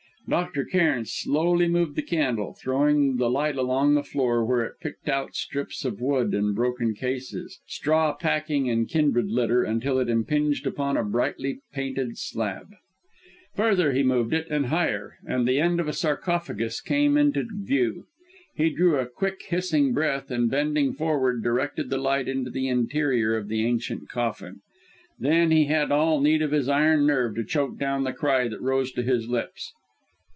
Dr. Cairn slowly moved the candle, throwing the light along the floor, where it picked out strips of wood and broken cases, straw packing and kindred litter until it impinged upon a brightly painted slab. Further, he moved it, and higher, and the end of a sarcophagus came into view. He drew a quick, hissing breath, and bending forward, directed the light into the interior of the ancient coffin. Then, he had need of all his iron nerve to choke down the cry that rose to his lips.